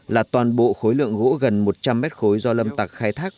là toàn bộ khối lượng gỗ gần một trăm linh mét khối do lâm tạc khai thác